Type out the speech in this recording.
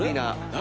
何？